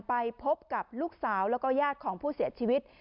ไปพบกับลูกสาวแล้วก็ญาติของผู้เสียชีวิต